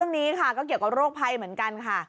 เรื่องนี้ค่ะก็เกี่ยวกับโรคภัยเหมือนกันค่ะ